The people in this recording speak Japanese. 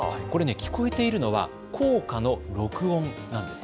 聞こえているのは校歌の録音なんです。